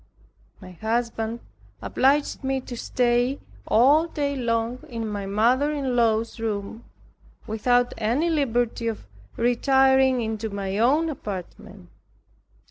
My husband obliged me to stay all day long in my mother in law's room, without any liberty of retiring into my own apartment.